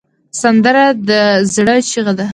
سندره د زړه چیغه ده